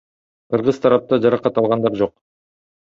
Кыргыз тарапта жаракат алгандар жок.